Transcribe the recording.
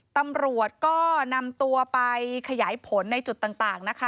ตำรวจก็นำตัวไปขยายผลในจุดต่างนะคะ